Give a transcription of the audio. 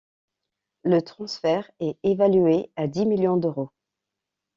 Le transfert est évalué à dix millions d'euros.